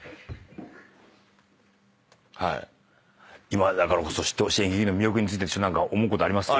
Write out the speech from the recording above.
今だからこそ知ってほしい演劇の魅力について思うことあります？